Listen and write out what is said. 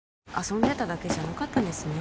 遊んでただけじゃなかったんですね